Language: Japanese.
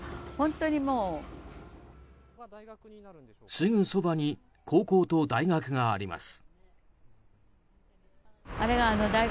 すぐそばに高校と大学があります。